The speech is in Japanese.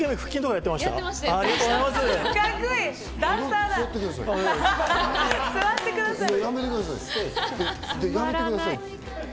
やめてください！